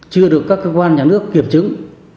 chưa được các cơ quan nhà nước kiểm chứng